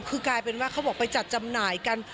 คือกลายเป็นว่าเขาบอกไปจัดจำหน่ายกัน